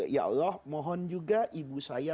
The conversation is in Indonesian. ya allah mohon juga ibu saya